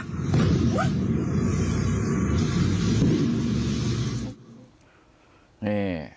นี่